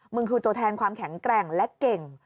คือตัวแทนความแข็งแกร่งและเก่ง